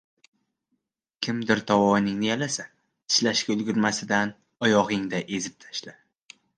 Kimdir tovoningni yalasa, tishlashga ulgurmasidan oyog‘ingda ezib tashla.